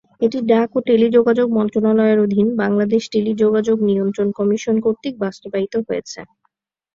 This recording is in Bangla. এটি ডাক ও টেলিযোগাযোগ মন্ত্রণালয়ের অধীন বাংলাদেশ টেলিযোগাযোগ নিয়ন্ত্রণ কমিশন কর্তৃক বাস্তবায়িত হয়েছে।